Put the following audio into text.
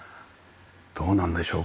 どうなんでしょう